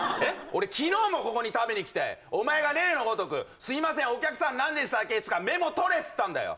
俺昨日もここに食べに来てお前が例のごとくお客さん何でしたっけって言うからメモ取れっつったんだよ